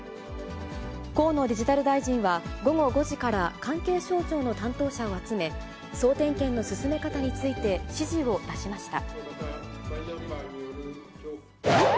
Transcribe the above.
河野デジタル大臣は、午後５時から、関係省庁の担当者を集め、総点検の進め方について指示を出しました。